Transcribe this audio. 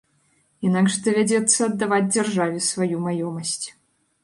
Інакш давядзецца аддаваць дзяржаве сваю маёмасць.